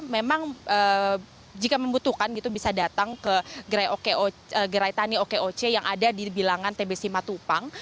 memang jika membutuhkan gitu bisa datang ke gerai tani okoc yang ada di bilangan tbc matupang